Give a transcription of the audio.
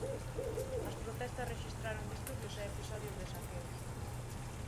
As protestas rexistraron disturbios e episodios de saqueos.